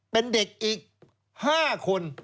เป็นเด็กอีก๕คน